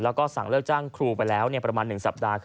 แล้วก็สั่งเลิกจ้างครูไปแล้วประมาณ๑สัปดาห์